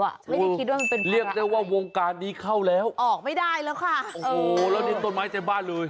ไม่ได้คิดว่ามันเป็นภาระอะไรออกไม่ได้แล้วค่ะโอ้โหแล้วเลี้ยงต้นไม้ใส่บ้านเลย